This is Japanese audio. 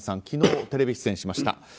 昨日、テレビ出演しました。